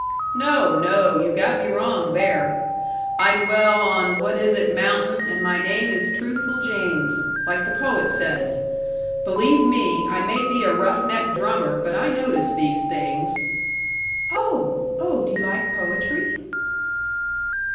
"No, no; you got me wrong there. 'I dwell on what is it mountain, and my name is Truthful James,' like the poet says! Believe me, I may be a rough neck drummer, but I notice these things." "Oh!... Oh, do you like poetry?"